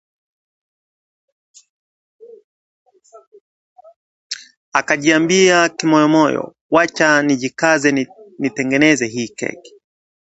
Akajiambia kimoyomoyo, “Wacha nijikaze nitengeneze hii keki